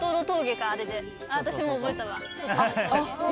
私もう覚えたわ。